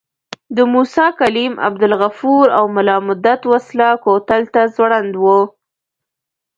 د موسی کلیم، عبدالغفور او ملا مدت وسله کوتل ته ځوړند وو.